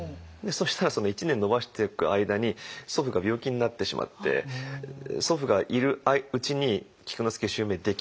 そしたら１年延ばしていく間に祖父が病気になってしまって祖父がいるうちに菊之助襲名できなかったんです。